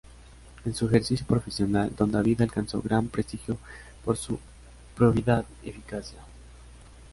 En su ejercicio profesional, Don David alcanzó gran prestigio por su probidad y eficacia.